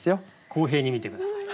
公平に見て下さい。